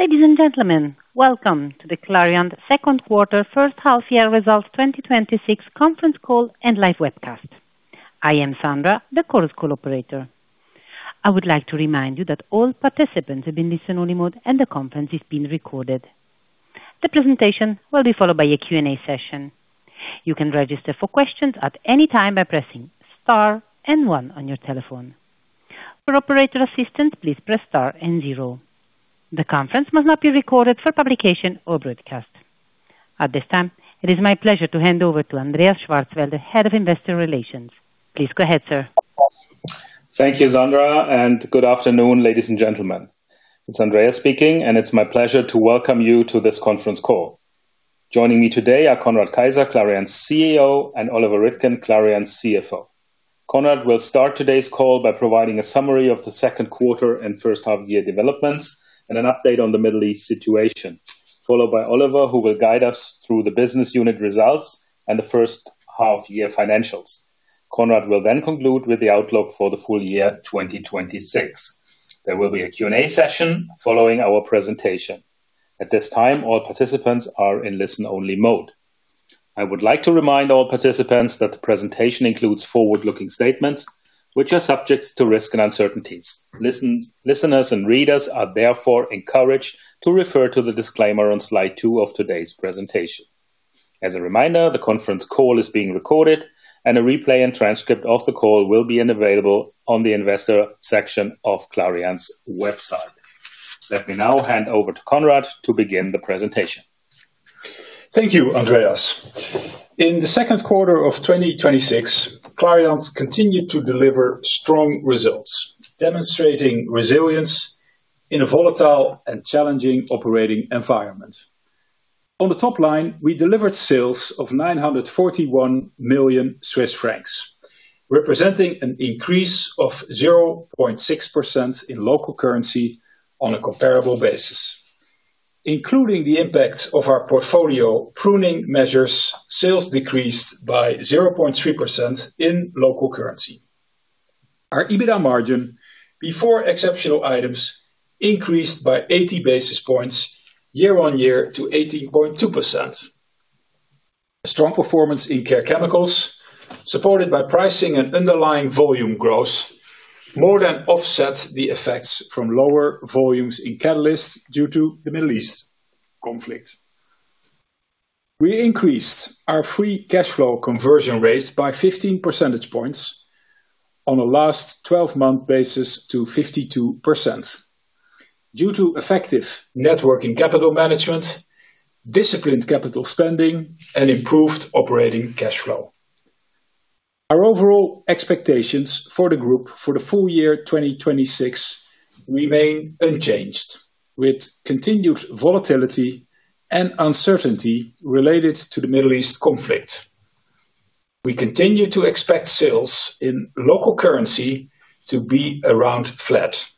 Ladies and gentlemen, welcome to the Clariant second quarter H1 year results 2026 conference call and live webcast. I am Sandra, the conference call operator. I would like to remind you that all participants have been listen-only mode and the conference is being recorded. The presentation will be followed by a Q&A session. You can register for questions at any time by pressing star and one on your telephone. For operator assistance, please press star and zero. The conference must not be recorded for publication or broadcast. At this time, it is my pleasure to hand over to Andreas Schwarzwälder, the Head of Investor Relations. Please go ahead, sir. Thank you, Sandra. Good afternoon, ladies and gentlemen. It's Andreas speaking, and it's my pleasure to welcome you to this conference call. Joining me today are Conrad Keijzer, Clariant's CEO, and Oliver Rittgen, Clariant's CFO. Conrad will start today's call by providing a summary of the second quarter and H1 year developments and an update on the Middle East situation, followed by Oliver who will guide us through the business unit results and the H1 year financials. Conrad will conclude with the outlook for the full year 2026. There will be a Q&A session following our presentation. At this time, all participants are in listen-only mode. I would like to remind all participants that the presentation includes forward-looking statements, which are subject to risks and uncertainties. Listeners and readers are therefore encouraged to refer to the disclaimer on slide two of today's presentation. As a reminder, the conference call is being recorded, and a replay and transcript of the call will be available on the investor section of Clariant's website. Let me now hand over to Conrad to begin the presentation. Thank you, Andreas. In the second quarter of 2026, Clariant continued to deliver strong results, demonstrating resilience in a volatile and challenging operating environment. On the top line, we delivered sales of 941 million Swiss francs, representing an increase of 0.6% in local currency on a comparable basis. Including the impact of our portfolio pruning measures, sales decreased by 0.3% in local currency. Our EBITDA margin before exceptional items increased by 80 basis points year-over-year to 18.2%. A strong performance in Care Chemicals, supported by pricing and underlying volume growth, more than offset the effects from lower volumes in Catalysts due to the Middle East conflict. We increased our free cash flow conversion rate by 15% points on a last 12-month basis to 52%, due to effective net working capital management, disciplined capital spending, and improved operating cash flow. Our overall expectations for the group for the full year 2026 remain unchanged, with continued volatility and uncertainty related to the Middle East conflict. We continue to expect sales in local currency to be around flat,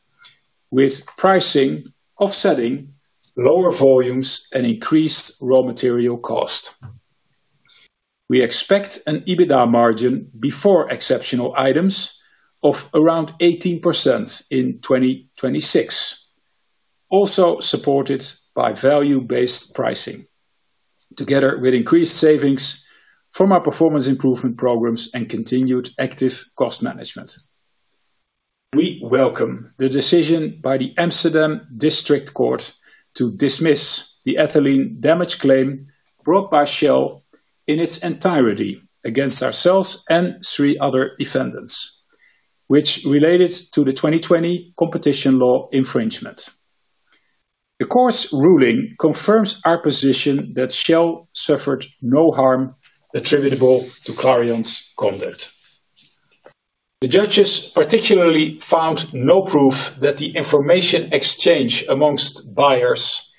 with pricing offsetting lower volumes and increased raw material cost. We expect an EBITDA margin before exceptional items of around 18% in 2026, also supported by value-based pricing, together with increased savings from our Performance Improvement Programs and continued active cost management. We welcome the decision by the Amsterdam District Court to dismiss the ethylene damage claim brought by Shell in its entirety against ourselves and three other defendants, which related to the 2020 competition law infringement. The court's ruling confirms our position that Shell suffered no harm attributable to Clariant's conduct. The judges particularly found no proof that the information exchange amongst buyers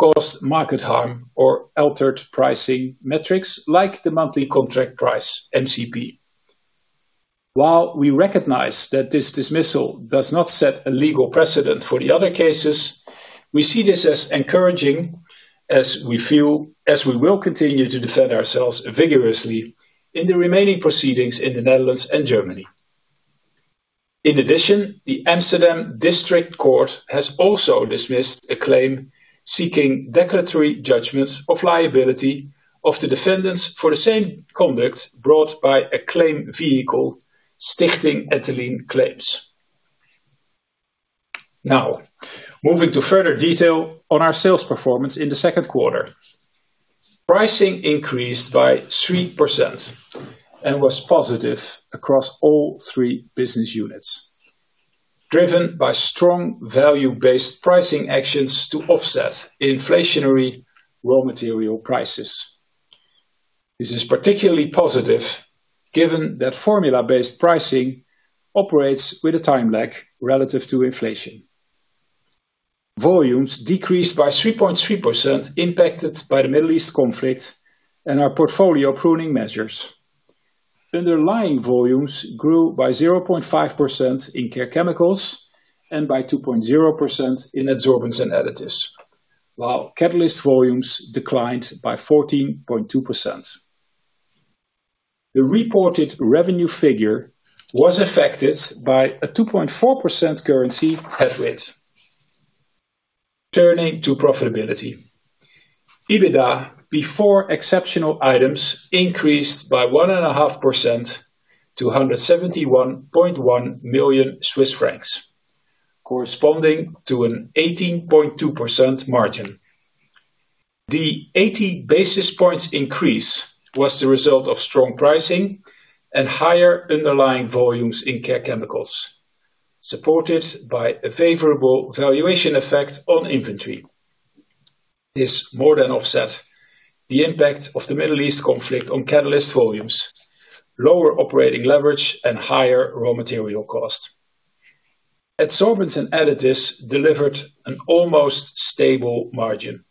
caused market harm or altered pricing metrics like the monthly contract price, MCP. While we recognize that this dismissal does not set a legal precedent for the other cases, we see this as encouraging as we will continue to defend ourselves vigorously in the remaining proceedings in the Netherlands and Germany. In addition, the Amsterdam District Court has also dismissed a claim seeking declaratory judgments of liability of the defendants for the same conduct brought by a claim vehicle, Stichting Ethylene Claims. Moving to further detail on our sales performance in the second quarter. Pricing increased by 3% and was positive across all three business units, driven by strong value-based pricing actions to offset inflationary raw material prices. This is particularly positive given that formula-based pricing operates with a time lag relative to inflation. Volumes decreased by 3.3%, impacted by the Middle East conflict and our portfolio pruning measures. Underlying volumes grew by 0.5% in Care Chemicals and by 2.0% in Adsorbents & Additives. Catalysts volumes declined by 14.2%. The reported revenue figure was affected by a 2.4% currency headwind. Turning to profitability. EBITDA before exceptional items increased by 1.5% to 171.1 million Swiss francs, corresponding to an 18.2% margin. The 80 basis points increase was the result of strong pricing and higher underlying volumes in Care Chemicals, supported by a favorable valuation effect on inventory. This more than offset the impact of the Middle East conflict on Catalysts volumes, lower operating leverage, and higher raw material cost. Adsorbents & Additives delivered an almost stable margin.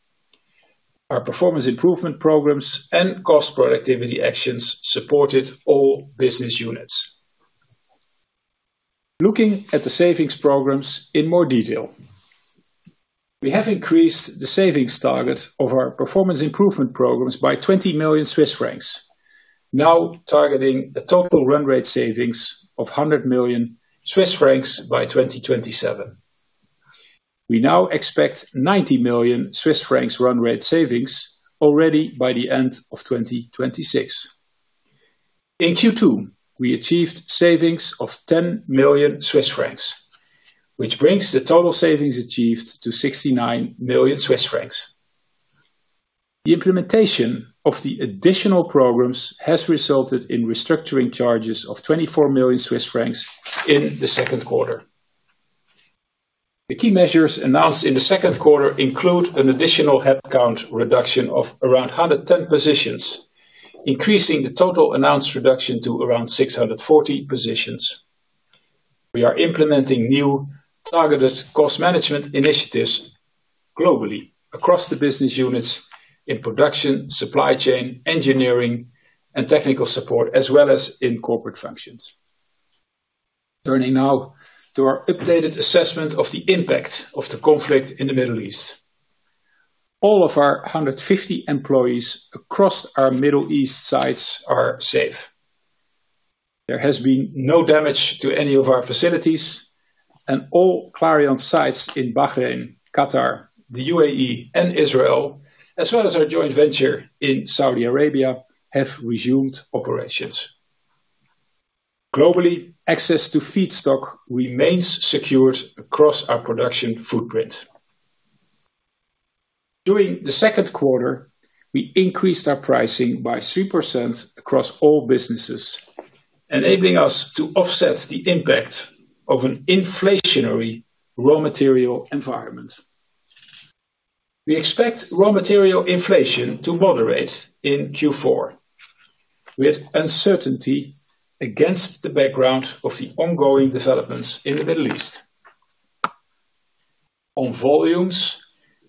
Our Performance Improvement Programs and cost productivity actions supported all business units. Looking at the savings programs in more detail. We have increased the savings target of our Performance Improvement Programs by 20 million Swiss francs, now targeting a total run rate savings of 100 million Swiss francs by 2027. We now expect 90 million Swiss francs run rate savings already by the end of 2026. In Q2, we achieved savings of 10 million Swiss francs, which brings the total savings achieved to 69 million Swiss francs. The implementation of the additional programs has resulted in restructuring charges of 24 million Swiss francs in the second quarter. The key measures announced in the second quarter include an additional headcount reduction of around 110 positions, increasing the total announced reduction to around 640 positions. We are implementing new targeted cost management initiatives globally across the business units in production, supply chain, engineering, and technical support, as well as in corporate functions. Turning now to our updated assessment of the impact of the conflict in the Middle East. All of our 150 employees across our Middle East sites are safe. There has been no damage to any of our facilities, and all Clariant sites in Bahrain, Qatar, the UAE, and Israel, as well as our joint venture in Saudi Arabia, have resumed operations. Globally, access to feedstock remains secured across our production footprint. During the second quarter, we increased our pricing by 3% across all businesses, enabling us to offset the impact of an inflationary raw material environment. We expect raw material inflation to moderate in Q4, with uncertainty against the background of the ongoing developments in the Middle East. On volumes,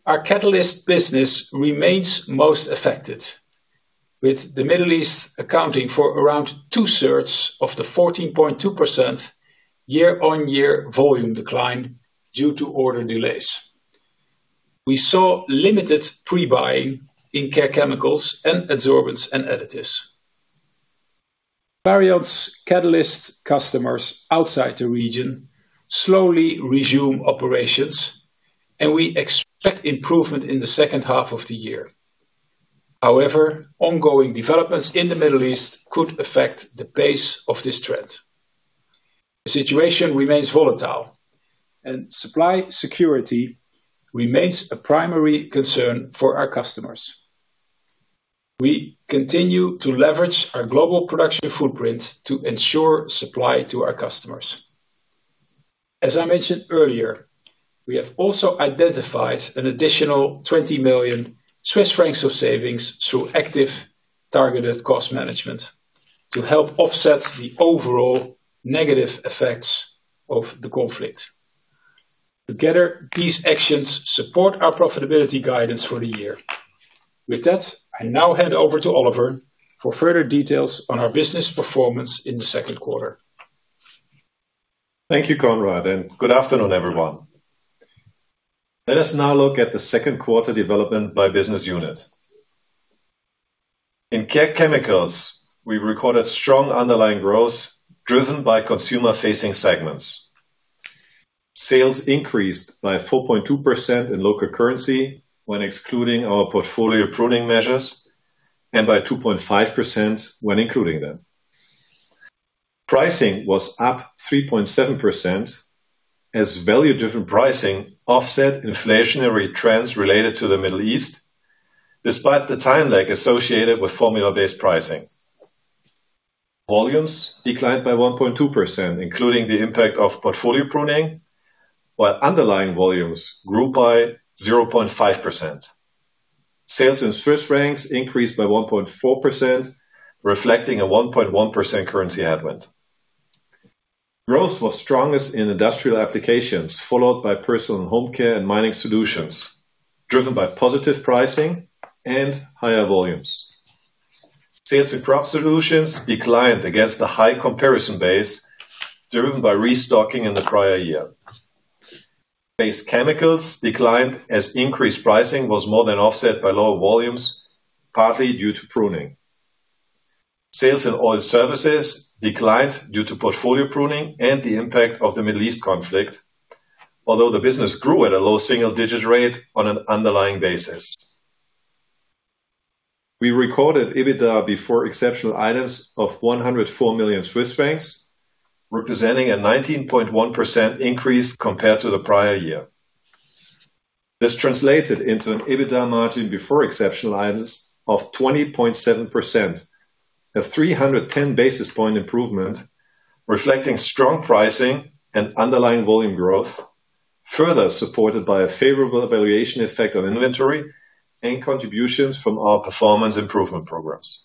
our Catalysts business remains most affected, with the Middle East accounting for around two-thirds of the 14.2% year-on-year volume decline due to order delays. We saw limited pre-buying in Care Chemicals and Adsorbents & Additives. Clariant's Catalysts customers outside the region slowly resume operations, and we expect improvement in the H2 of the year. However, ongoing developments in the Middle East could affect the pace of this trend. The situation remains volatile and supply security remains a primary concern for our customers. We continue to leverage our global production footprint to ensure supply to our customers. As I mentioned earlier, we have also identified an additional 20 million Swiss francs of savings through active targeted cost management to help offset the overall negative effects of the conflict. Together, these actions support our profitability guidance for the year. With that, I now hand over to Oliver for further details on our business performance in the second quarter. Thank you, Conrad, and good afternoon, everyone. Let us now look at the second quarter development by business unit. In Care Chemicals, we recorded strong underlying growth, driven by consumer-facing segments. Sales increased by 4.2% in local currency when excluding our portfolio pruning measures, and by 2.5% when including them. Pricing was up 3.7% as value-differentiated pricing offset inflationary trends related to the Middle East, despite the time lag associated with formula-based pricing. Volumes declined by 1.2%, including the impact of portfolio pruning, while underlying volumes grew by 0.5%. Sales in CHF increased by 1.4%, reflecting a 1.1% currency headwind. Growth was strongest in industrial applications, followed by personal and home care and mining solutions, driven by positive pricing and higher volumes. Sales in Crop Solutions declined against the high comparison base, driven by restocking in the prior year. Base Chemicals declined as increased pricing was more than offset by lower volumes, partly due to pruning. Sales in Oil Services declined due to portfolio pruning and the impact of the Middle East conflict. Although the business grew at a low single-digit rate on an underlying basis. We recorded EBITDA before exceptional items of 104 million Swiss francs, representing a 19.1% increase compared to the prior year. This translated into an EBITDA margin before exceptional items of 20.7%, a 310 basis point improvement, reflecting strong pricing and underlying volume growth, further supported by a favorable valuation effect on inventory and contributions from our performance improvement programs.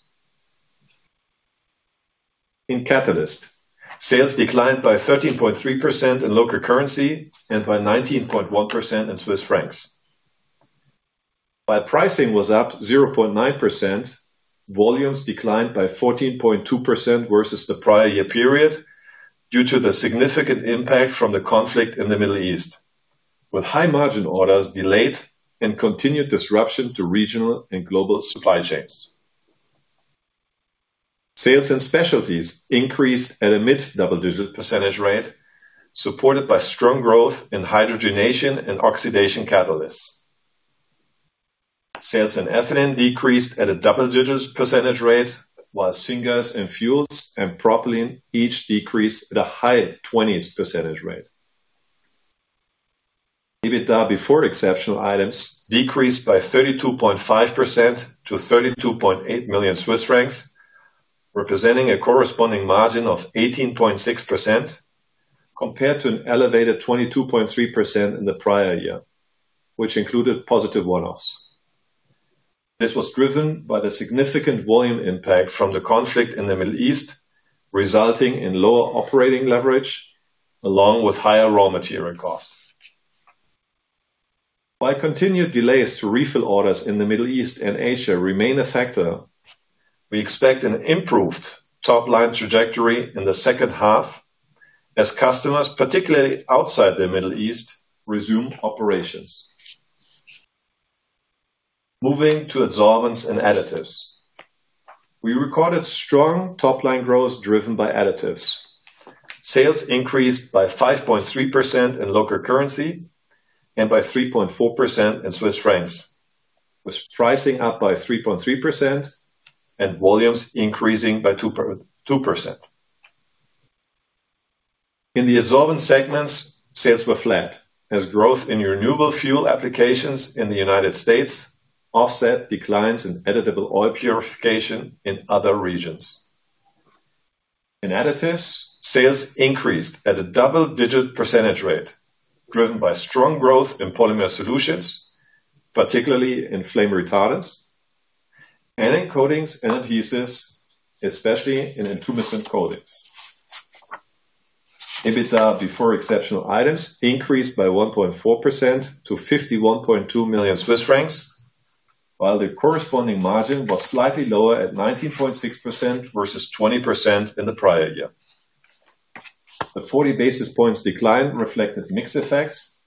In Catalysts, sales declined by 13.3% in local currency and by 19.1% in Swiss Francs. While pricing was up 0.9%, volumes declined by 14.2% versus the prior year period due to the significant impact from the conflict in the Middle East, with high margin orders delayed and continued disruption to regional and global supply chains. Sales in Specialties increased at a mid-double-digit percentage rate, supported by strong growth in hydrogenation and oxidation catalysts. Sales in ethylene decreased at a double-digit percentage rate, while syngas and fuels and propylene each decreased at a high 20s percentage rate. EBITDA before exceptional items decreased by 32.5% to 32.8 million Swiss francs, representing a corresponding margin of 18.6% compared to an elevated 22.3% in the prior year, which included positive one-offs. This was driven by the significant volume impact from the conflict in the Middle East, resulting in lower operating leverage along with higher raw material costs. While continued delays to refill orders in the Middle East and Asia remain a factor, we expect an improved top-line trajectory in the H2 as customers, particularly outside the Middle East, resume operations. Moving to Adsorbents & Additives. We recorded strong top-line growth driven by Additives. Sales increased by 5.3% in local currency and by 3.4% in Swiss Francs, with pricing up by 3.3% and volumes increasing by 2%. In the Adsorbents segments, sales were flat as growth in renewable fuel applications in the United States offset declines in edible oil purification in other regions. In Additives, sales increased at a double-digit percentage rate, driven by strong growth in polymer solutions, particularly in flame retardants and in coatings and adhesives, especially in intumescent coatings. EBITDA before exceptional items increased by 1.4% to 51.2 million Swiss francs, while the corresponding margin was slightly lower at 19.6% versus 20% in the prior year. The 40 basis points decline reflected mix effects,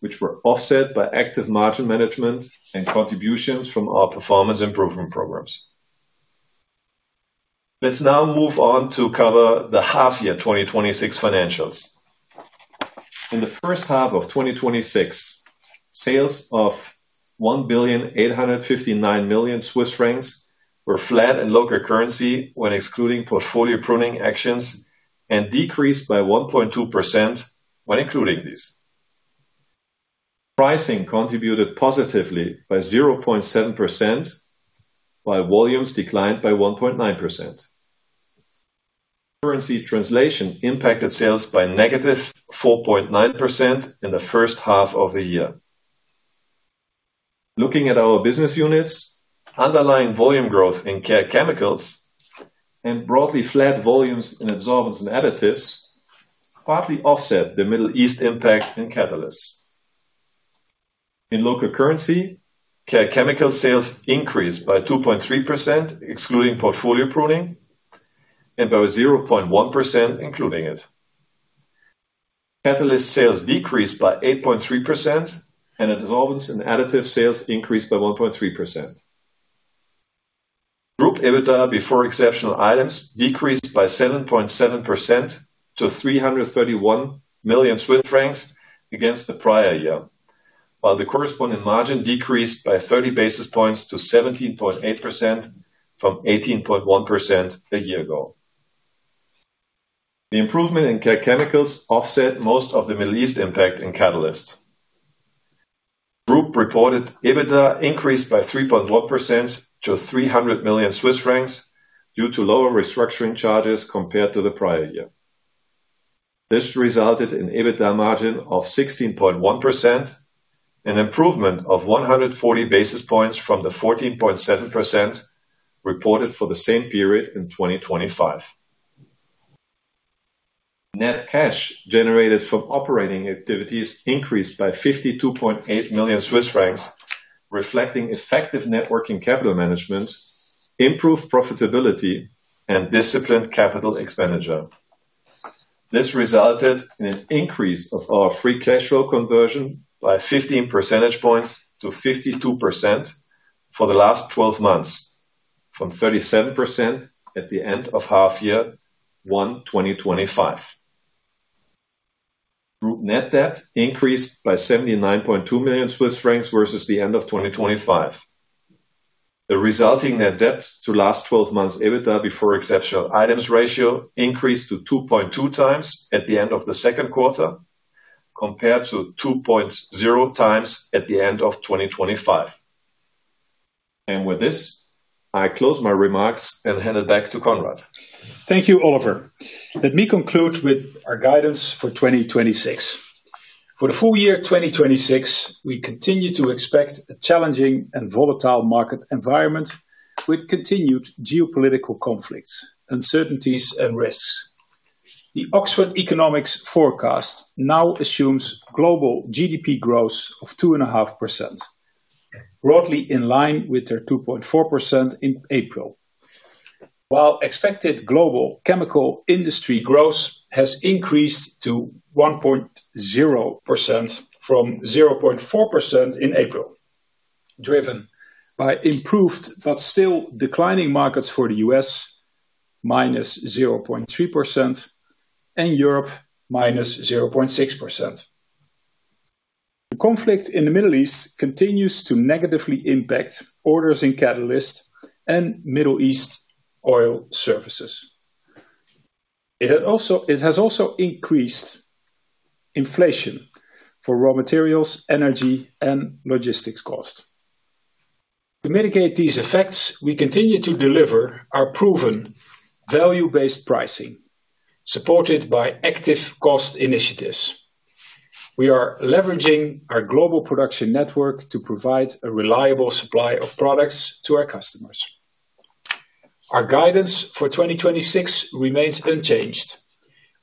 which were offset by active margin management and contributions from our performance improvement programs. Let's now move on to cover the half year 2026 financials. In the H1 of 2026, sales of 1,859 million Swiss francs were flat in local currency when excluding portfolio pruning actions and decreased by 1.2% when including these. Pricing contributed positively by 0.7% while volumes declined by 1.9%. Currency translation impacted sales by negative 4.9% in the H1 of the year. Looking at our business units, underlying volume growth in Care Chemicals and broadly flat volumes in Adsorbents & Additives partly offset the Middle East impact in Catalysts. In local currency, Care Chemicals sales increased by 2.3% excluding portfolio pruning and by 0.1% including it. Catalysts sales decreased by 8.3% and Adsorbents & Additives sales increased by 1.3%. Group EBITDA before exceptional items decreased by 7.7% to 331 million Swiss francs against the prior year, while the corresponding margin decreased by 30 basis points to 17.8% from 18.1% a year ago. The improvement in Care Chemicals offset most of the Middle East impact in Catalysts. Group reported EBITDA increased by 3.1% to 300 million Swiss francs due to lower restructuring charges compared to the prior year. This resulted in EBITDA margin of 16.1%, an improvement of 140 basis points from the 14.7% reported for the same period in 2025. Net cash generated from operating activities increased by 52.8 million Swiss francs reflecting effective net working capital management, improved profitability and disciplined capital expenditure. This resulted in an increase of our free cash flow conversion by 15% points to 52% for the last 12 months from 37% at the end of half year one, 2025. Group net debt increased by 79.2 million Swiss francs versus the end of 2025. The resulting net debt to last 12 months EBITDA before exceptional items ratio increased to 2.2 times at the end of the second quarter, compared to 2.0 times at the end of 2025. With this, I close my remarks and hand it back to Conrad. Thank you, Oliver. Let me conclude with our guidance for 2026. For the full year 2026, we continue to expect a challenging and volatile market environment with continued geopolitical conflicts, uncertainties, and risks. The Oxford Economics Forecast now assumes global GDP growth of 2.5%, broadly in line with their 2.4% in April. While expected global chemical industry growth has increased to 1.0% from 0.4% in April, driven by improved, but still declining markets for the U.S. -0.3%, and Europe, -0.6%. The conflict in the Middle East continues to negatively impact orders in Catalysts and Middle East Oil Services. It has also increased inflation for raw materials, energy, and logistics costs. To mitigate these effects, we continue to deliver our proven value-based pricing, supported by active cost initiatives. We are leveraging our global production network to provide a reliable supply of products to our customers. Our guidance for 2026 remains unchanged,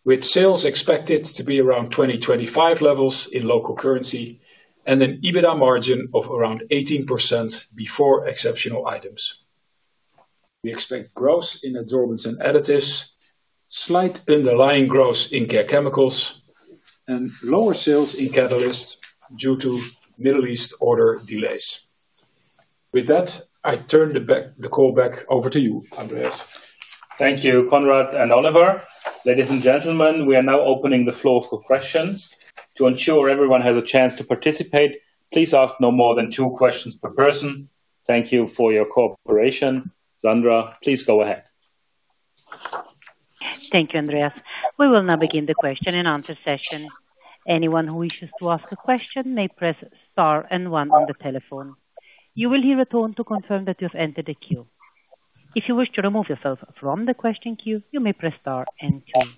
with sales expected to be around 2025 levels in local currency, and an EBITDA margin of around 18% before exceptional items. We expect growth in Adsorbents & Additives, slight underlying growth in Care Chemicals, and lower sales in Catalysts due to Middle East order delays. With that, I turn the call back over to you, Andreas. Thank you, Conrad and Oliver. Ladies and gentlemen, we are now opening the floor for questions. To ensure everyone has a chance to participate, please ask no more than two questions per person. Thank you for your cooperation. Sandra, please go ahead. Thank you, Andreas. We will now begin the question and answer session. Anyone who wishes to ask a question may press star and one on the telephone. You will hear a tone to confirm that you've entered a queue. If you wish to remove yourself from the question queue, you may press star and two.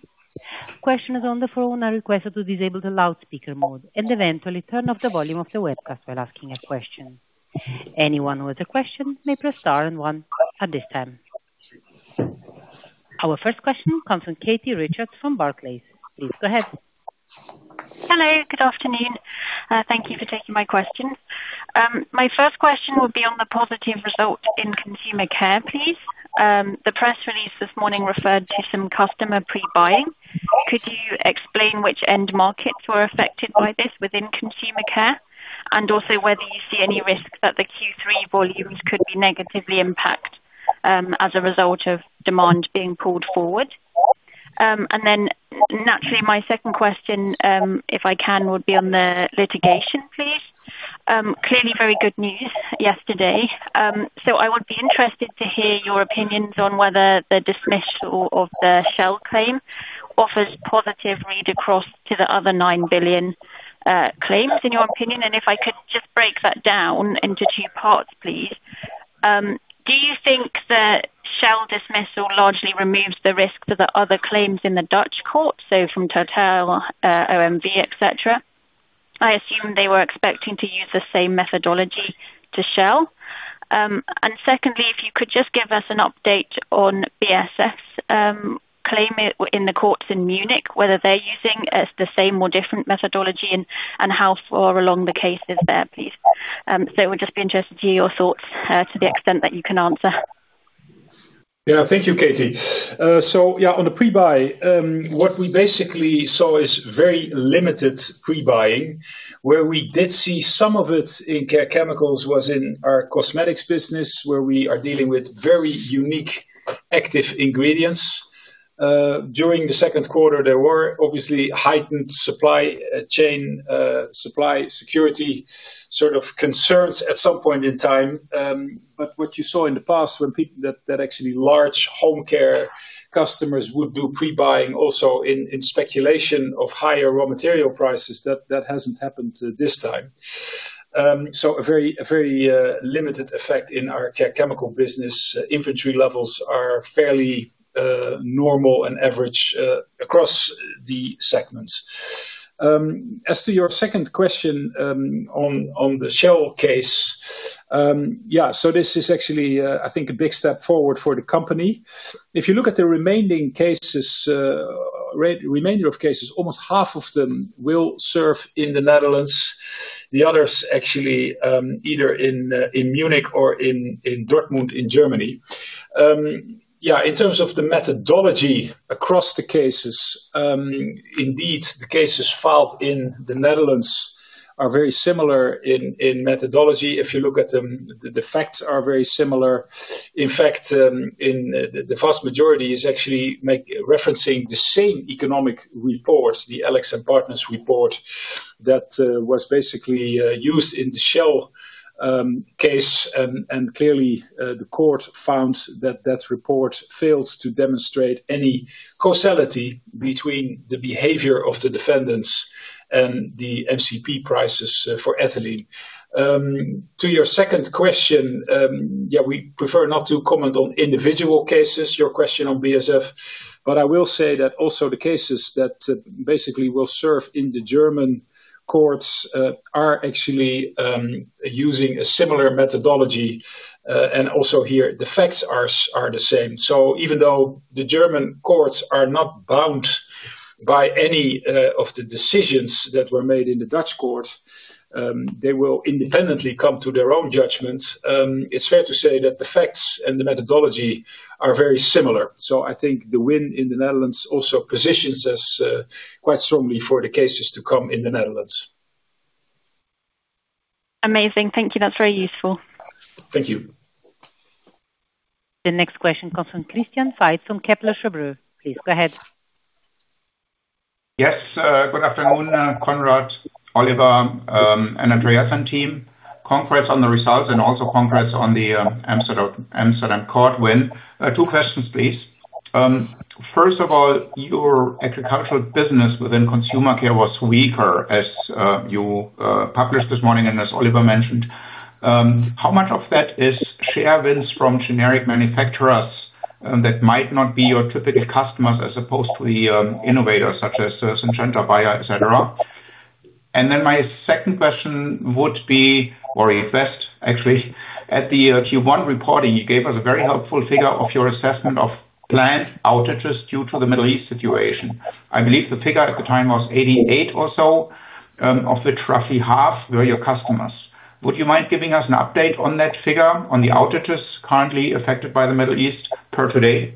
Questioners on the phone are requested to disable the loudspeaker mode and eventually turn off the volume of the webcast while asking a question. Anyone with a question may press star and one at this time. Our first question comes from Katie Richards from Barclays. Please go ahead. Hello. Good afternoon. Thank you for taking my question. My first question will be on the positive result in Care Chemicals, please. The press release this morning referred to some customer pre-buying. Could you explain which end markets were affected by this within Care Chemicals? Also whether you see any risk that the Q3 volumes could be negatively impact as a result of demand being pulled forward? Naturally, my second question, if I can, would be on the litigation please. Clearly very good news yesterday. I would be interested to hear your opinions on whether the dismissal of the Shell claim offers positive read across to the other 9 billion claims in your opinion. If I could just break that down into two parts, please. Do you think the Shell dismissal largely removes the risk for the other claims in the Dutch court, from TotalEnergies, OMV, et cetera? I assume they were expecting to use the same methodology to Shell. Secondly, if you could just give us an update on BASF's claim in the courts in Munich, whether they're using the same or different methodology, and how far along the case is there, please? Would just be interested to hear your thoughts, to the extent that you can answer. Thank you, Katie. On the pre-buy, what we basically saw is very limited pre-buying, where we did see some of it in Care Chemicals was in our cosmetics business, where we are dealing with very unique active ingredients. During the second quarter, there were obviously heightened supply chain, supply security sort of concerns at some point in time. What you saw in the past, when that actually large home care customers would do pre-buying also in speculation of higher raw material prices. That hasn't happened this time. A very limited effect in our chemical business. Inventory levels are fairly normal and average across the segments. As to your second question, on the Shell case. This is actually, I think, a big step forward for the company. If you look at the remainder of cases, almost half of them will serve in the Netherlands, the others actually either in Munich or in Dortmund in Germany. In terms of the methodology across the cases, indeed the cases filed in the Netherlands are very similar in methodology. If you look at them, the facts are very similar. In fact, the vast majority is actually referencing the same economic reports, the AlixPartners report, that was basically used in the Shell case, and clearly the court found that report failed to demonstrate any causality between the behavior of the defendants and the MCP prices for ethylene. To your second question, we prefer not to comment on individual cases, your question on BASF. I will say that also the cases that basically will serve in the German courts are actually using a similar methodology and also here, the facts are the same. Even though the German courts are not bound by any of the decisions that were made in the Dutch court, they will independently come to their own judgment. It's fair to say that the facts and the methodology are very similar. I think the win in the Netherlands also positions us quite strongly for the cases to come in the Netherlands. Amazing. Thank you. That's very useful. Thank you. The next question comes from Christian Faitz from Kepler Cheuvreux. Please go ahead. Yes. Good afternoon, Conrad, Oliver, and Andreas team. Congrats on the results and also congrats on the Amsterdam court win. Two questions, please. First of all, your agricultural business within Care Chemicals was weaker as you published this morning and as Oliver mentioned. How much of that is share wins from generic manufacturers that might not be your typical customers as opposed to the innovators such as Syngenta, Bayer, et cetera? My second question would be actually, at the Q1 reporting, you gave us a very helpful figure of your assessment of plant outages due to the Middle East situation. I believe the figure at the time was 88 or so, of which roughly half were your customers. Would you mind giving us an update on that figure on the outages currently affected by the Middle East per today?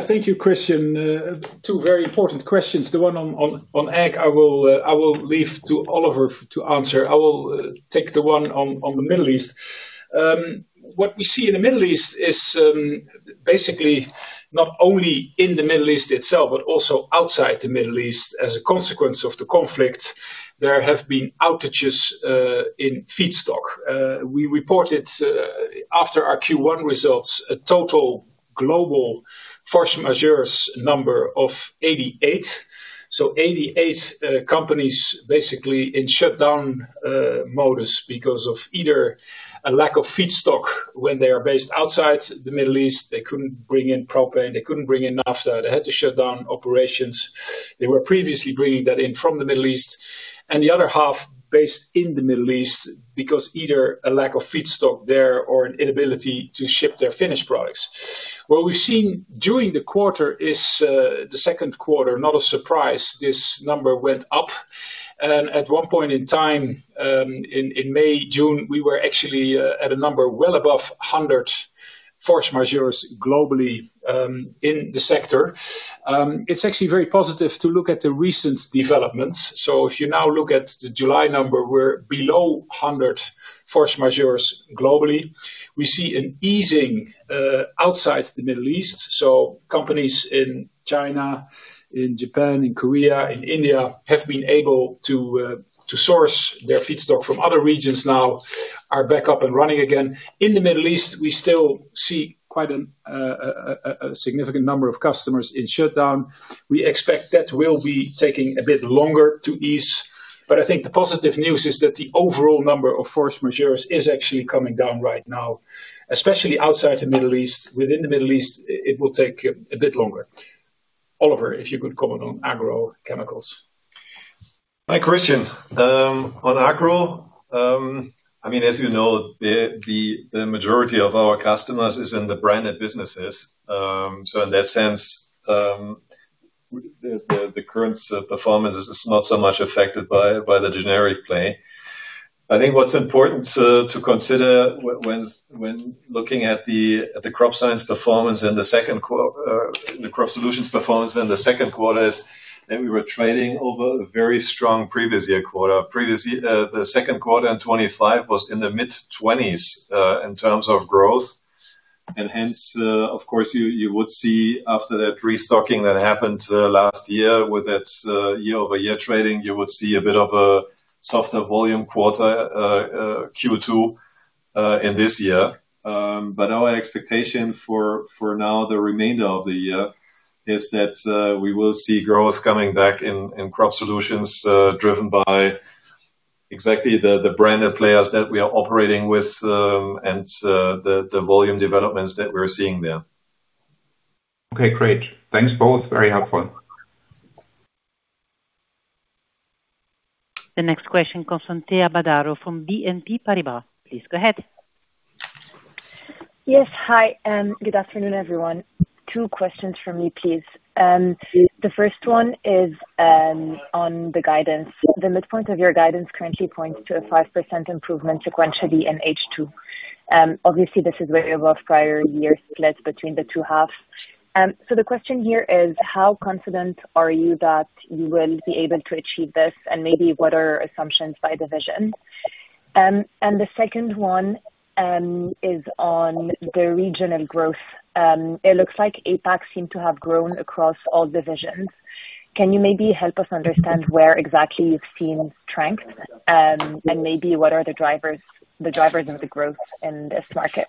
Thank you, Christian. Two very important questions. The one on Ag, I will leave to Oliver to answer. I will take the one on the Middle East. What we see in the Middle East is basically not only in the Middle East itself, but also outside the Middle East, as a consequence of the conflict, there have been outages in feedstock. We reported after our Q1 results, a total global force majeure number of 88. 88 companies basically in shutdown modus because of either a lack of feedstock when they are based outside the Middle East, they couldn't bring in propane they couldn't bring in naphtha. They had to shut down operations. They were previously bringing that in from the Middle East. The other half based in the Middle East because either a lack of feedstock there or an inability to ship their finished products. What we've seen during the quarter is the second quarter, not a surprise, this number went up. At one point in time, in May, June, we were actually at a number well above 100 force majeures globally in the sector. It's actually very positive to look at the recent developments. If you now look at the July number, we're below 100 force majeures globally. We see an easing outside the Middle East. Companies in China, in Japan, in Korea, in India have been able to source their feedstock from other regions now, are back up and running again. In the Middle East, we still see quite a significant number of customers in shutdown. We expect that will be taking a bit longer to ease. I think the positive news is that the overall number of force majeures is actually coming down right now, especially outside the Middle East. Within the Middle East, it will take a bit longer. Oliver, if you could comment on agrochemicals. Hi, Christian. On agro, as you know the majority of our customers is in the branded businesses. In that sense, the current performance is not so much affected by the generic play. I think what's important to consider when looking at the Crop Solutions performance and the second quarter, the Crop Solutions performance in the second quarter is that we were trading over a very strong previous year quarter. The second quarter in 2025 was in the mid-20s, in terms of growth. Hence, of course, you would see after that restocking that happened last year with that year-over-year trading, you would see a bit of a softer volume quarter, Q2, in this year. Our expectation for now, the remainder of the year is that we will see growth coming back in Crop Solutions, driven by exactly the branded players that we are operating with, and the volume developments that we're seeing there. Okay, great. Thanks both. Very helpful. The next question comes from Thea Badaro from BNP Paribas. Please go ahead. Yes. Hi, good afternoon, everyone. Two questions from me, please. The first one is on the guidance. The midpoint of your guidance currently points to a 5% improvement sequentially in H2. Obviously, this is where we have a prior year split between the two halves. The question here is how confident are you that you will be able to achieve this? Maybe what are assumptions by division? The second one is on the regional growth. It looks like APAC seemed to have grown across all divisions. Can you maybe help us understand where exactly you've seen strength, and maybe what are the drivers of the growth in this market?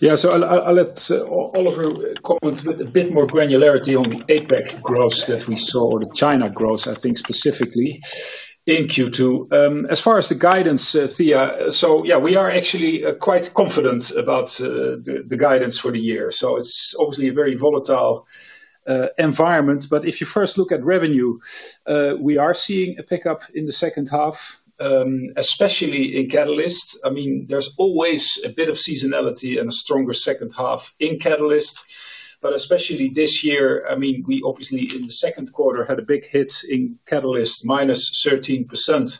Yeah. I'll let Oliver comment with a bit more granularity on the APAC growth that we saw, or the China growth, I think specifically in Q2. As far as the guidance, Thea. Yeah, we are actually quite confident about the guidance for the year. It's obviously a very volatile environment. If you first look at revenue, we are seeing a pickup in the H2, especially in Catalyst. There's always a bit of seasonality and a stronger H2 in Catalyst. But especially this year, we obviously in the second quarter had a big hit in Catalyst, minus 13%,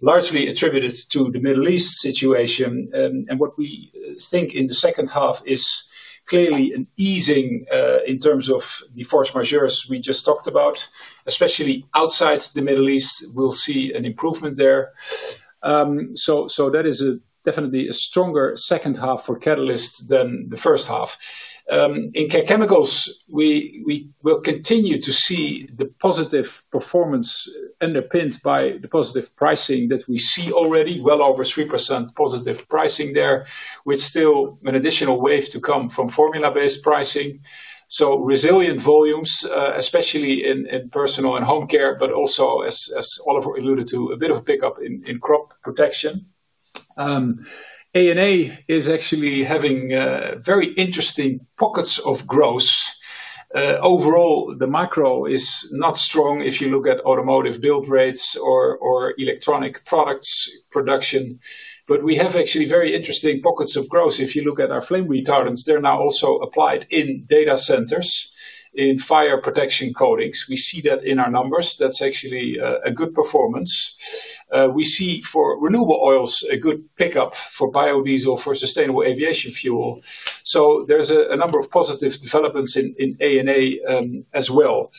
largely attributed to the Middle East situation. What we think in the H2 is clearly an easing in terms of the force majeurs we just talked about. Especially outside the Middle East, we'll see an improvement there. That is definitely a stronger H2 for Catalyst than the H1. In Care Chemicals, we will continue to see the positive performance underpinned by the positive pricing that we see already, well over 3% positive pricing there, with still an additional wave to come from formula-based pricing. Resilient volumes, especially in personal and home care, but also as Oliver alluded to a bit of pickup in crop protection. A&A is actually having very interesting pockets of growth. Overall, the micro is not strong if you look at automotive build rates or electronic products production. We have actually very interesting pockets of growth. If you look at our flame retardants, they're now also applied in data centers in fire protection coatings. We see that in our numbers. That's actually a good performance. We see for renewable oils, a good pickup for biodiesel for sustainable aviation fuel. There is a number of positive developments in A&A, as well.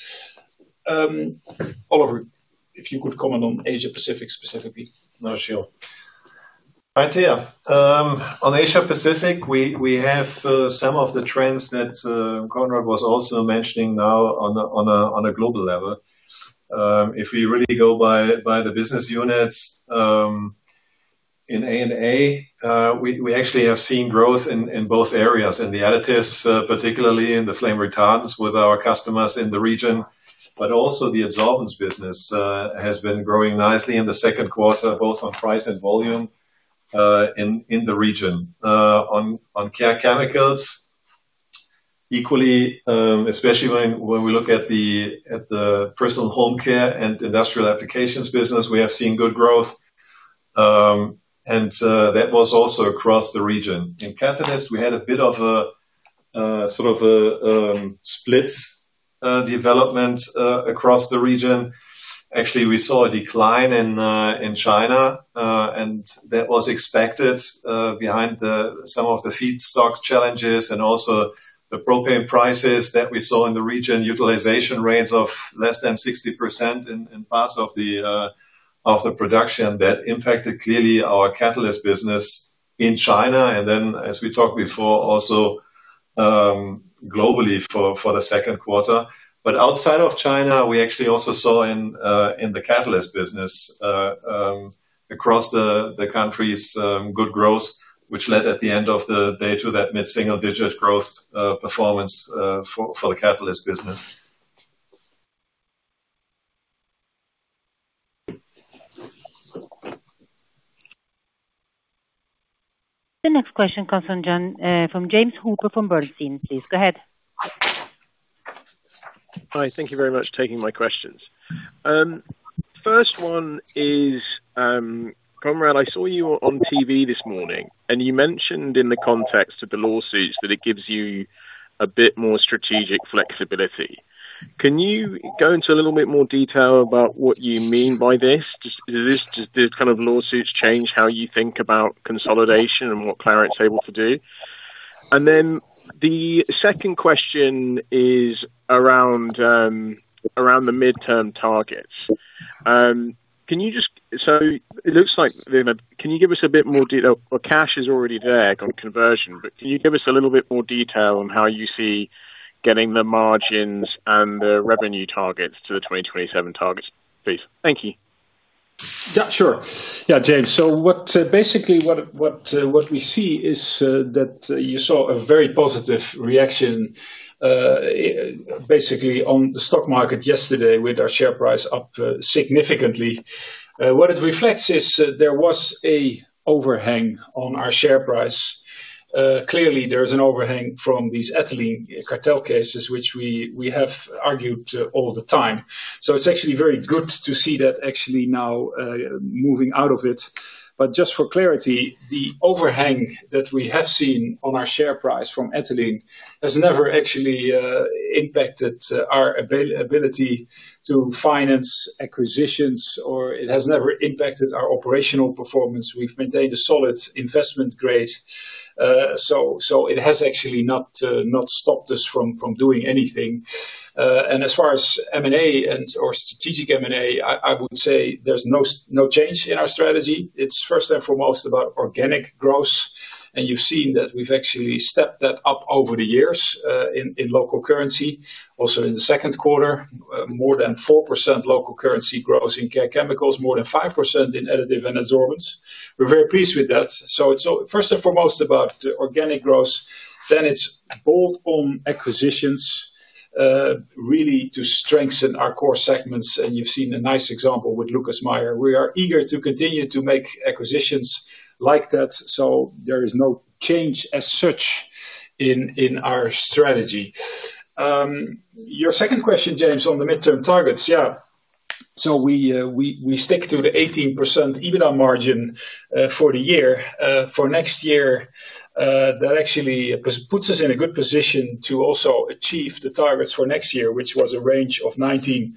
Oliver, if you could comment on Asia-Pacific specifically. Sure. Hi, Thea. On Asia-Pacific, we have some of the trends that Conrad was also mentioning now on a global level. If we really go by the business units, in A&A we actually have seen growth in both areas in the Additives, particularly in the flame retardants with our customers in the region, but also the Adsorbents business has been growing nicely in the second quarter, both on price and volume, in the region. On Care Chemicals, equally, especially when we look at the personal home care and industrial applications business, we have seen good growth. That was also across the region. In Catalyst, we had a bit of a split development across the region. Actually, we saw a decline in China, and that was expected behind some of the feedstock challenges and also the propane prices that we saw in the region, utilization rates of less than 60% in parts of the production that impacted, clearly, our Catalyst business in China, and then as we talked before, also globally for the second quarter. Outside of China, we actually also saw in the Catalyst business across the countries good growth, which led at the end of the day to that mid-single digit growth performance for the Catalyst business. The next question comes from James Hooper from Bernstein. Please go ahead. Hi. Thank you very much for taking my questions. First one is, Conrad, I saw you on TV this morning, you mentioned in the context of the lawsuits that it gives you a bit more strategic flexibility. Can you go into a little bit more detail about what you mean by this? Do this kind of lawsuits change how you think about consolidation and what Clariant's able to do? The second question is around the midterm targets. Well, cash is already there on conversion, but can you give us a little bit more detail on how you see getting the margins and the revenue targets to the 2027 targets, please? Thank you. Sure. James. Basically, what we see is that you saw a very positive reaction, basically on the stock market yesterday with our share price up significantly. What it reflects is that there was a overhang on our share price. Clearly, there is a overhang from these ethylene cartel cases, which we have argued all the time. It's actually very good to see that actually now moving out of it. Just for clarity, the overhang that we have seen on our share price from ethylene has never actually impacted our ability to finance acquisitions, or it has never impacted our operational performance. We've maintained a solid investment grade. It has actually not stopped us from doing anything. As far as M&A or strategic M&A, I would say there's no change in our strategy. It's first and foremost about organic growth, you've seen that we've actually stepped that up over the years, in local currency. Also in the second quarter, more than 4% local currency growth in Care Chemicals, more than 5% in Adsorbents & Additives. We're very pleased with that. First and foremost about organic growth then it's bolt-on acquisitions really to strengthen our core segments, you've seen a nice example with Lucas Meyer. We are eager to continue to make acquisitions like that. There is no change as such in our strategy. Your second question, James on the midterm targets. We stick to the 18% EBITDA margin for the year. For next year, that actually puts us in a good position to also achieve the targets for next year, which was a range of 19%-21%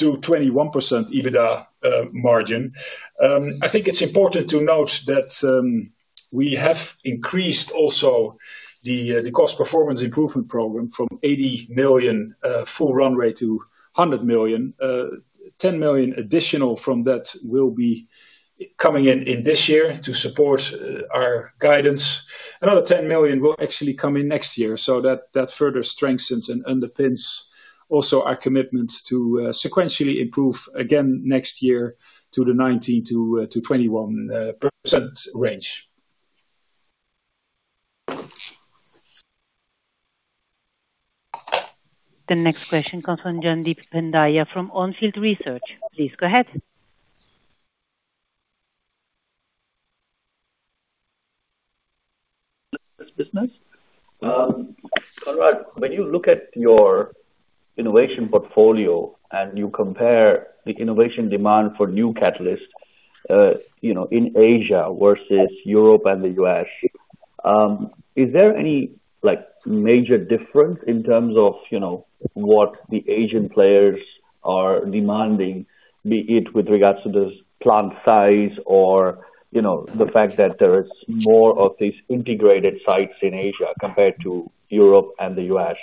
EBITDA margin. I think it's important to note that we have increased also the cost performance improvement program from 80 million full runway to 100 million. 10 million additional from that will be coming in this year to support our guidance. Another 10 million will actually come in next year. That further strengthens and underpins also our commitment to sequentially improve again next year to the 19%-21% range. The next question comes from Jaideep Pandya from On Field Investment Research. Please go ahead. This business? Conrad, when you look at your innovation portfolio and you compare the innovation demand for new catalysts in Asia versus Europe and the U.S. is there any major difference in terms of what the Asian players are demanding, be it with regards to the plant size or the fact that there is more of these integrated sites in Asia compared to Europe and the U.S.?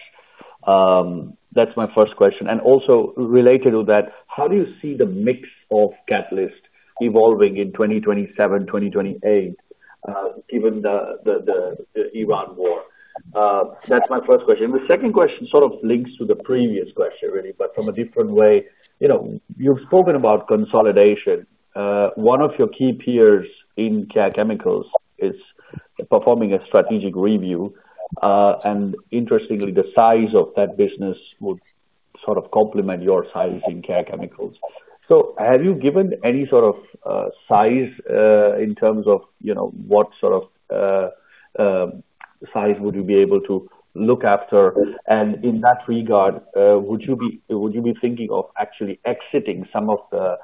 That's my first question. Also related to that, how do you see the mix of catalysts evolving in 2027, 2028, given the Iran war? That's my first question. The second question sort of links to the previous question really, but from a different way. You've spoken about consolidation. One of your key peers in Care Chemicals is performing a strategic review. Interestingly, the size of that business would sort of complement your size in Care Chemicals. Have you given any sort of size, in terms of what sort of size would you be able to look after? In that regard, would you be thinking of actually exiting some of the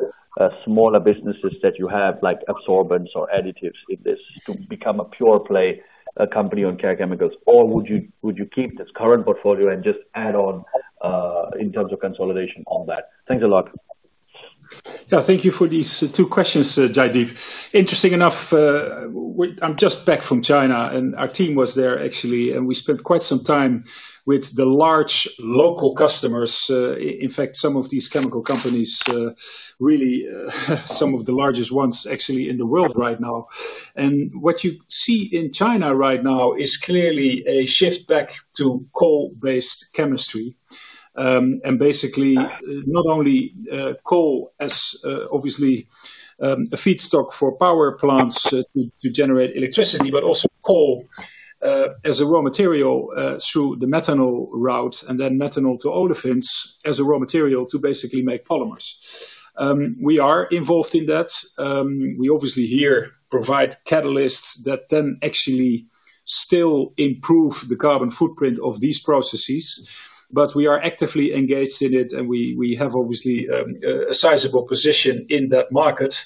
smaller businesses that you have, like Adsorbents or Additives in this to become a pure play company on Care Chemicals? Would you keep this current portfolio and just add on in terms of consolidation on that? Thanks a lot. Yeah, thank you for these two questions, Jaideep. Interesting enough, I'm just back from China and our team was there actually, and we spent quite some time with the large local customers. In fact, some of these chemical companies, really some of the largest ones actually in the world right now. What you see in China right now is clearly a shift back to coal-based chemistry. Basically not only coal as obviously a feedstock for power plants to generate electricity, but also coal as a raw material through the methanol route, and then methanol to olefins as a raw material to basically make polymers. We are involved in that. We obviously here provide catalysts that then actually still improve the carbon footprint of these processes, but we are actively engaged in it, and we have obviously a sizable position in that market.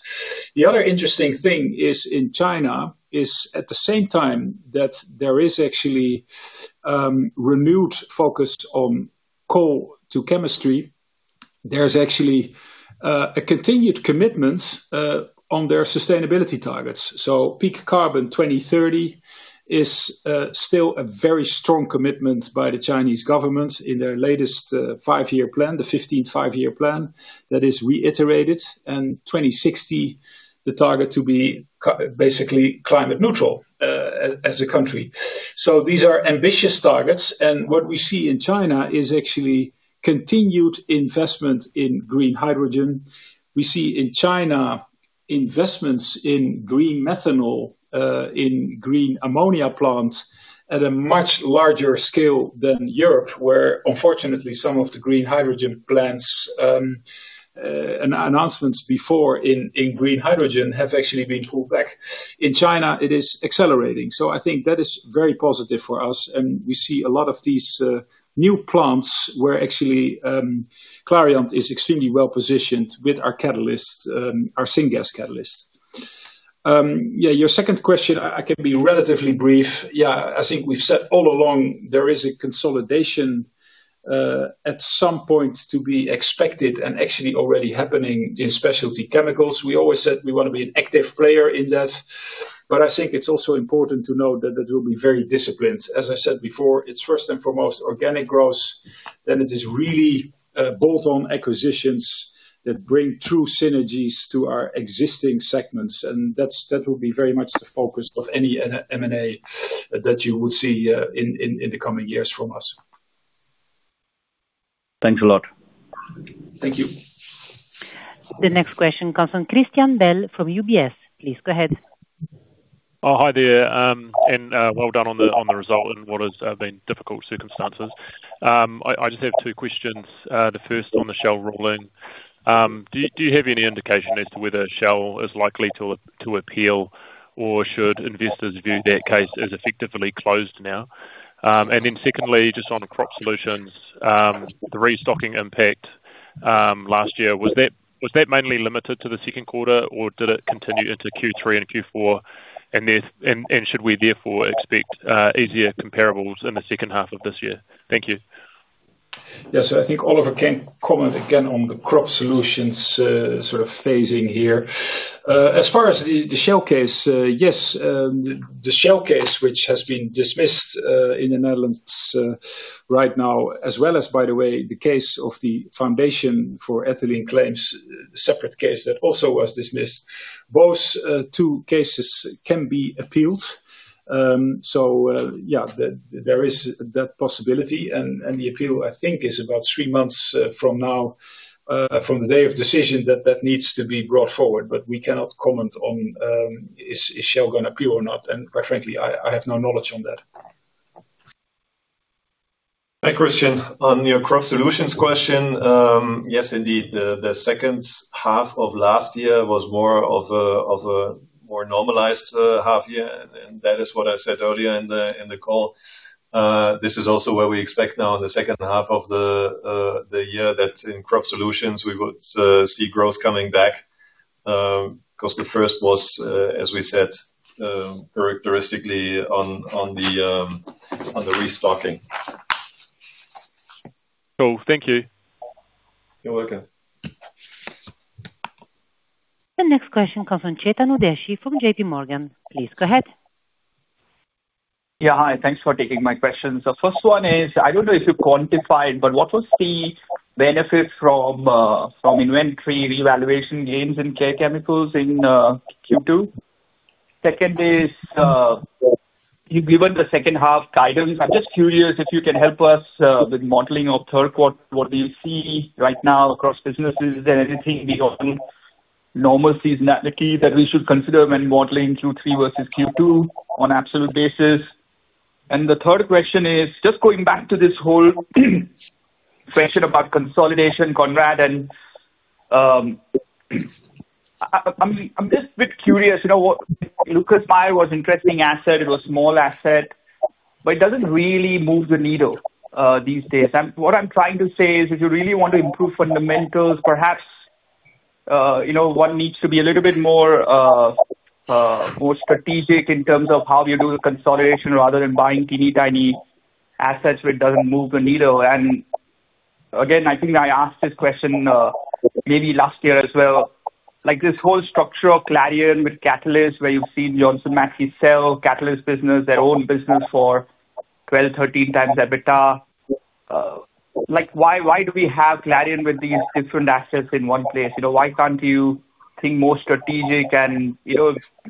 The other interesting thing is in China is at the same time that there is actually renewed focus on coal to chemistry, there's actually a continued commitment on their sustainability targets. Peak carbon 2030 is still a very strong commitment by the Chinese government in their latest five-year plan, the 15th five-year plan that is reiterated. 2060, the target to be basically climate neutral as a country. These are ambitious targets, and what we see in China is actually continued investment in green hydrogen. We see in China investments in green methanol, in green ammonia plants at a much larger scale than Europe, where unfortunately some of the green hydrogen plants and announcements before in green hydrogen have actually been pulled back. In China, it is accelerating. I think that is very positive for us, and we see a lot of these new plants where actually Clariant is extremely well-positioned with our catalyst, our syngas catalyst. Your second question, I can be relatively brief. I think we've said all along there is a consolidation at some point to be expected and actually already happening in specialty chemicals. We always said we want to be an active player in that, but I think it's also important to know that it will be very disciplined. As I said before, it's first and foremost organic growth. It is really bolt-on acquisitions that bring true synergies to our existing segments, and that will be very much the focus of any M&A that you will see in the coming years from us. Thanks a lot. Thank you. The next question comes from Christian Bell from UBS. Please go ahead. Hi there. Well done on the result in what has been difficult circumstances. I just have two questions. The first on the Shell ruling. Do you have any indication as to whether Shell is likely to appeal or should investors view that case as effectively closed now? Secondly, just on Crop Solutions, the restocking impact last year was that mainly limited to the second quarter, or did it continue into Q3 and Q4? Should we therefore expect easier comparables in the H2 of this year? Thank you. I think Oliver can comment again on the Crop Solutions sort of phasing here. As far as the Shell case, yes. The Shell case, which has been dismissed in the Netherlands right now, as well as by the way, the case of the Foundation for Ethylene Claims, separate case that also was dismissed. Both two cases can be appealed. There is that possibility and the appeal, I think is about three months from now from the day of decision that needs to be brought forward. We cannot comment on, is Shell going to appeal or not? Quite frankly, I have no knowledge on that. Hi, Christian. On your Crop Solutions question, yes, indeed. The H2 of last year was more of a more normalized half year, that is what I said earlier in the call. This is also where we expect now in the H2 of the year that in Crop Solutions we would see growth coming back. The first was, as we said, characteristically on the restocking. Cool. Thank you. You're welcome. The next question comes from Chetan Udeshi from JPMorgan. Please go ahead. Hi, thanks for taking my questions. The first one is I don't know if you quantified, but what was the benefit from inventory revaluation gains in Care Chemicals in Q2? Second is, you've given the H2 guidance. I'm just curious if you can help us with modeling of third quarter, what do you see right now across businesses? Is there anything beyond normalcy that we should consider when modeling Q3 versus Q2 on absolute basis? The third question is, just going back to this whole question about consolidation, Conrad, and I'm just a bit curious. Lucas Meyer was interesting asset, it was small asset but it doesn't really move the needle these days. What I'm trying to say is if you really want to improve fundamentals, perhaps one needs to be a little bit more strategic in terms of how you do the consolidation rather than buying teeny-tiny assets where it doesn't move the needle. Again, I think I asked this question maybe last year as well, like this whole structure of Clariant with Catalysts, where you've seen Johnson Matthey sell Catalysts business, their own business for 12, 13 times EBITDA. Why do we have Clariant with these different assets in one place? Why can't you think more strategic and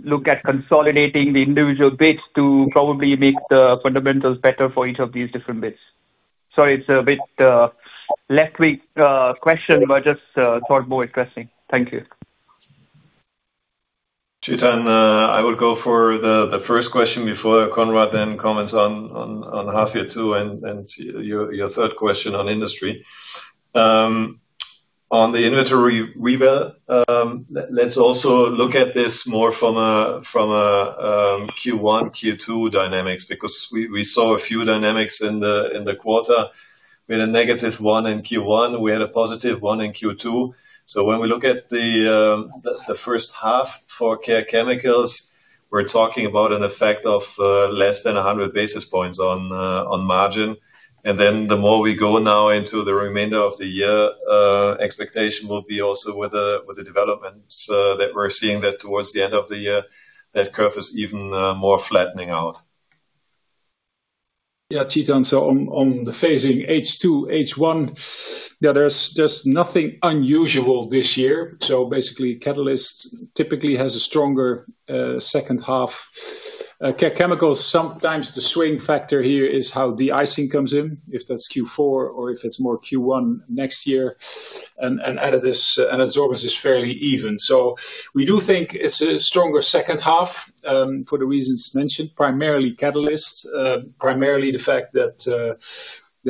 look at consolidating the individual bits to probably make the fundamentals better for each of these different bits? Sorry, it's a bit left wing question, but just thought more expressing. Thank you. Chetan, I would go for the first question before Conrad, then comments on half year two and your third question on industry. On the inventory revaluation, let's also look at this more from a Q1, Q2 dynamics, because we saw a few dynamics in the quarter. We had a negative one in Q1. We had a positive one in Q2. When we look at the H1 for Care Chemicals, we're talking about an effect of less than 100 basis points on margin. Then the more we go now into the remainder of the year, expectation will be also with the developments that we're seeing that towards the end of the year, that curve is even more flattening out. Yeah, Chetan, on the phasing H2, H1, there's nothing unusual this year. Basically Catalysts typically has a stronger H2 Care Chemicals, sometimes the swing factor here is how de-icing comes in, if that's Q4 or if it's more Q1 next year. Adsorbents is fairly even. We do think it's a stronger H2 for the reasons mentioned, primarily catalysts, primarily the fact that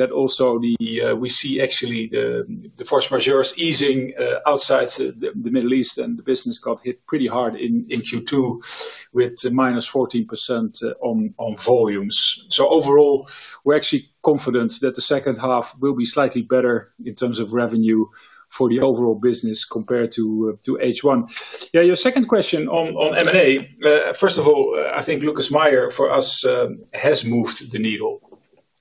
also we see actually the force majeure easing outside the Middle East and the business got hit pretty hard in Q2 with -14% on volumes. Overall, we're actually confident that the H2 will be slightly better in terms of revenue for the overall business compared to H1. Yeah, your second question on M&A. First of all, I think Lucas Meyer for us, has moved the needle.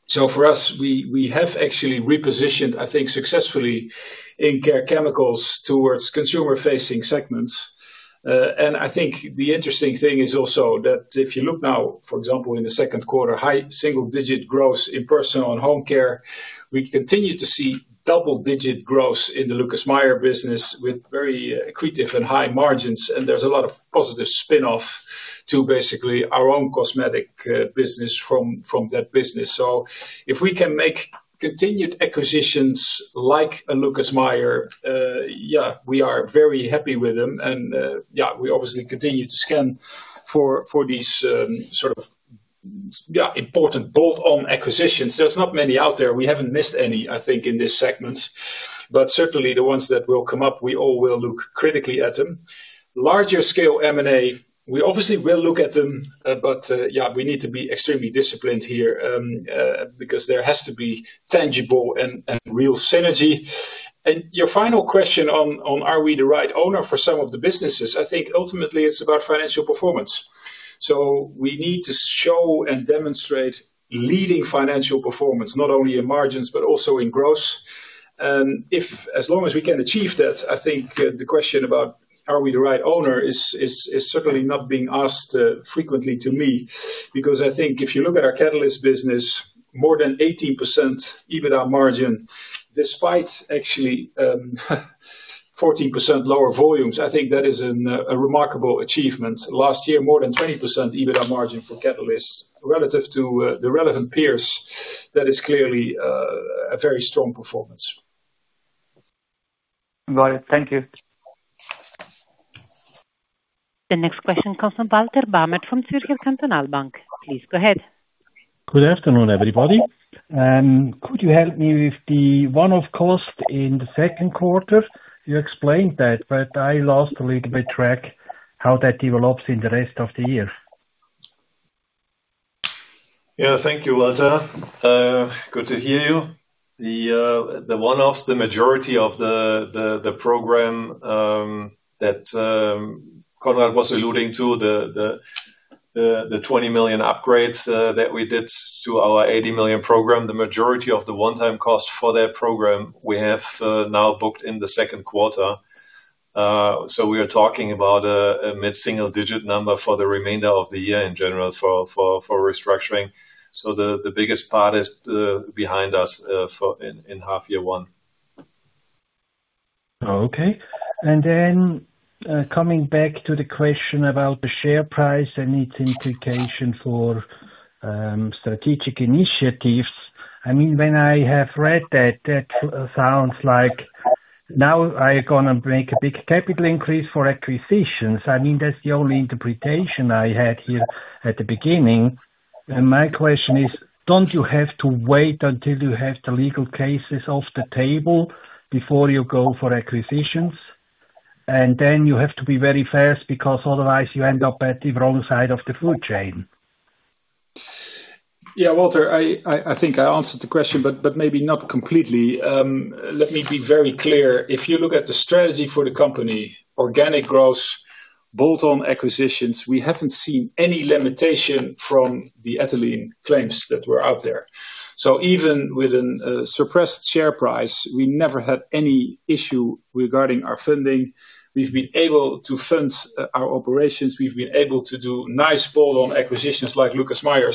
For us, we have actually repositioned, I think successfully, in Care Chemicals towards consumer-facing segments. I think the interesting thing is also that if you look now, for example in the second quarter high single digit growth in personal and home care. We continue to see double digit growth in the Lucas Meyer business with very accretive and high margins. There's a lot of positive spinoff to basically our own cosmetic business from that business. If we can make continued acquisitions like a Lucas Meyer, we are very happy with them. We obviously continue to scan for these sort of important bolt-on acquisitions. There's not many out there. We haven't missed any, I think, in this segment. Certainly the ones that will come up, we all will look critically at them. Larger scale M&A, we obviously will look at them. We need to be extremely disciplined here, because there has to be tangible and real synergy. Your final question on, are we the right owner for some of the businesses? I think ultimately it's about financial performance. We need to show and demonstrate leading financial performance, not only in margins, but also in growth. As long as we can achieve that, I think the question about are we the right owner is certainly not being asked frequently to me, because I think if you look at our Catalysts business, more than 80% EBITDA margin, despite actually 14% lower volumes. I think that is a remarkable achievement. Last year more than 20% EBITDA margin for Catalysts. Relative to the relevant peers, that is clearly a very strong performance. Got it. Thank you. The next question comes from Walter Bamert from Zürcher Kantonalbank. Please go ahead. Good afternoon, everybody. Could you help me with the one-off cost in the second quarter? You explained that, but I lost a little bit track how that develops in the rest of the year. Thank you, Walter. Good to hear you. The one-offs, the majority of the program that Conrad was alluding to the 20 million upgrades that we did to our 80 million program. The majority of the one-time cost for that program, we have now booked in the second quarter. We are talking about a mid-single digit number for the remainder of the year in general for restructuring. The biggest part is behind us in half year one. Coming back to the question about the share price and its implication for strategic initiatives. When I have read that sounds like now I'm going to make a big capital increase for acquisitions. That's the only interpretation I had here at the beginning. My question is, don't you have to wait until you have the legal cases off the table before you go for acquisitions? You have to be very fast because otherwise you end up at the wrong side of the food chain. Walter, I think I answered the question, but maybe not completely. Let me be very clear. If you look at the strategy for the company, organic growth, bolt-on acquisitions, we haven't seen any limitation from the ethylene claims that were out there. Even with an suppressed share price, we never had any issue regarding our funding. We've been able to fund our operations. We've been able to do nice bolt-on acquisitions like Lucas Meyer.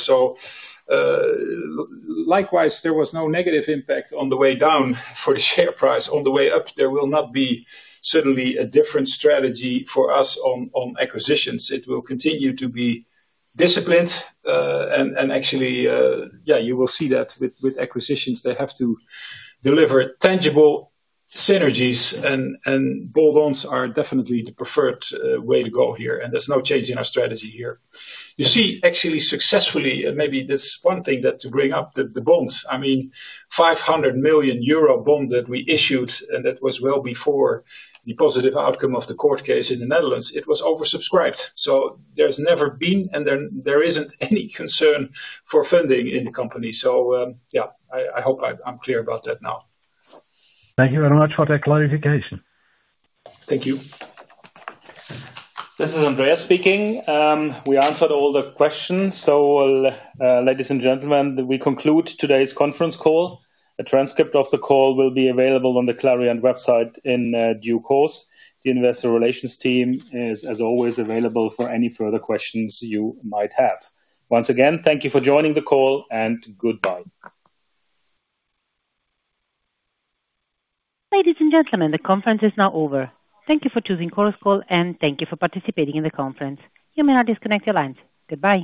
Likewise, there was no negative impact on the way down for the share price. On the way up, there will not be certainly a different strategy for us on acquisitions. It will continue to be disciplined. Actually, you will see that with acquisitions, they have to deliver tangible synergies, bolt-ons are definitely the preferred way to go here, there's no change in our strategy here. You see actually, successfully maybe there's one thing that to bring up, the bonds. I mean, 500 million euro bond that we issued, that was well before the positive outcome of the court case in the Netherlands. It was oversubscribed. There's never been, there isn't any concern for funding in the company. I hope I'm clear about that now. Thank you very much for that clarification. Thank you. This is Andreas speaking. We answered all the questions. Ladies and gentlemen, we conclude today's conference call. A transcript of the call will be available on the Clariant website in due course. The investor relations team is as always available for any further questions you might have. Once again, thank you for joining the call, and goodbye. Ladies and gentlemen, the conference is now over. Thank you for choosing Chorus Call, and thank you for participating in the conference. You may now disconnect your lines. Goodbye